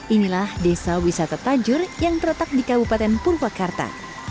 inilah desa wisata tajur yang terletak di kabupaten purwakarta